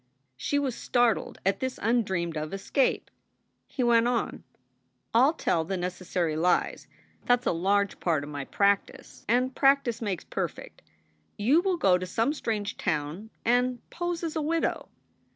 She was startled at this undreamed of escape. He went on : "I ll tell the necessary lies. That s a large part of my practice. And practice makes perfect. You will go to some strange town and pose as a widow.